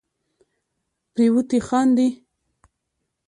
پیروتې خاندې